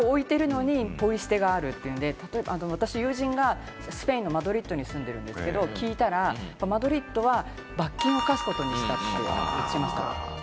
ただゴミ箱を置いてるのにポイ捨てがあるというので、私の友人がスペインのマドリードに住んでるんですけれど、マドリードは罰金を科すことにしたって。